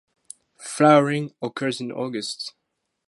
Flowering occurs in August.